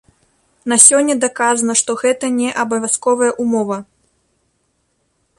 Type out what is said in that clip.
На сёння даказана, што гэта не абавязковая ўмова.